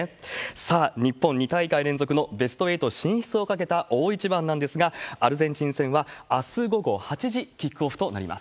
さあ、日本、２大会連続のベスト８進出を懸けた大一番なんですが、アルゼンチン戦はあす午後８時キックオフとなります。